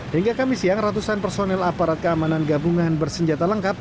hingga kamis siang ratusan personel aparat keamanan gabungan bersenjata lengkap